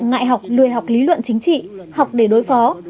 ngại học lười học lý luận chính trị